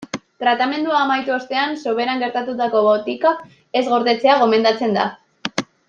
Tratamendua amaitu ostean soberan geratutako botikak ez gordetzea gomendatzen da.